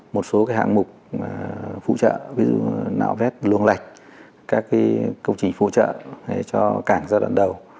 một số hạng mục phụ trợ ví dụ nạo vét luồng lạch các công trình phụ trợ cho cảng giai đoạn đầu